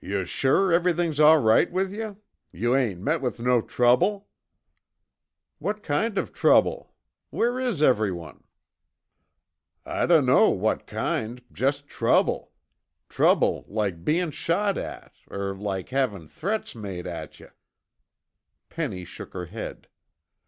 "Yuh sure everything's all right with yuh? Yuh ain't met with no trouble?" "What kind of trouble? Where is everyone?" "I dunno what kind, jest trouble. Trouble like bein' shot at, or like havin' threats made at yuh." Penny shook her head.